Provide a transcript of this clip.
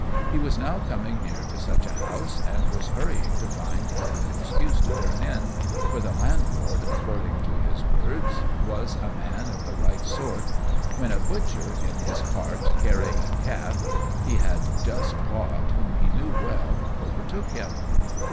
He was now coming near to such a house, and was trying to find a good excuse to turn in for the landlord, according to his words, was a man of the right sort when a butcher, in his cart, carrying a calf he had just bought, whom he knew well, overtook him.